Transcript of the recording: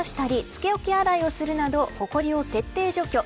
漬け置き洗いをするなどほこりを徹底除去。